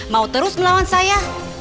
mau terus melawan saya